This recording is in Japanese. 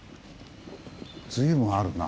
随分あるな。